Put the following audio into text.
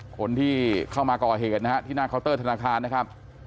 คนที่เข้ามาก่อเหตุนะฮะที่หน้าเคาน์เตอร์ธนาคารนะครับ